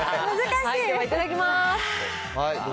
いただきます。